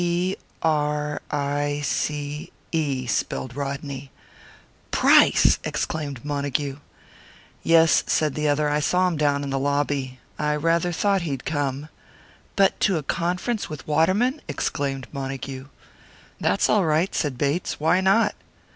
"P r i c e," spelled Rodney. "Price!" exclaimed Montague. "Yes," said the other. "I saw him down in the lobby. I rather thought he'd come." "But to a conference with Waterman!" exclaimed Montague. "That's all right," said Bates. "Why not?"